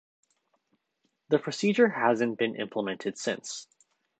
The procedure hasn't been implemented since.